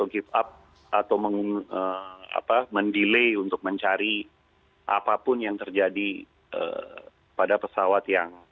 kita bantu semaksimal mungkin untuk memberikan kemampuan